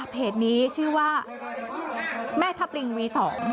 เพจนี้ชื่อว่าแม่ทัพปริงวี๒